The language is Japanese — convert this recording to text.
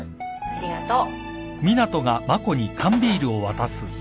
ありがとう。